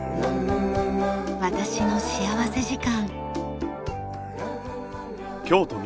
『私の幸福時間』。